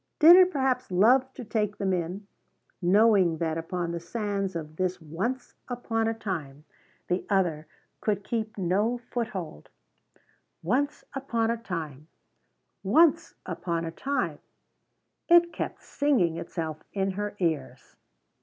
Did it perhaps love to take them in, knowing that upon the sands of this once upon a time the other could keep no foothold? "Once upon a Time Once upon a Time" it kept singing itself in her ears.